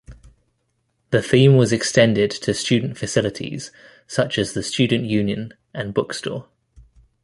The theme was extended to student facilities such as the student union and bookstore.